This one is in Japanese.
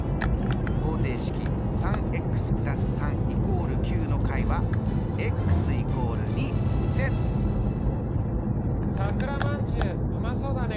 方程式３＋３＝９の解は＝２ですさくらまんじゅううまそうだね。